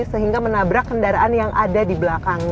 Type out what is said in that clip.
sehingga menabrak kendaraan yang ada di belakang